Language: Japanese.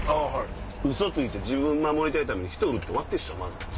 ウソついて自分を守りたいために人を売るって終わってるでしょ。